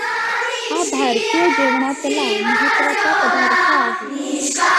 हा भारतीय जेवणातला महत्त्वाचा पदार्थ आहे.